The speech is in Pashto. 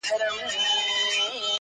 یوه ورځ به زه هم تا دلته راوړمه٫